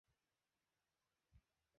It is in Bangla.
তবে মান জি, কলেজের অবস্থা তো আপনি জানেন?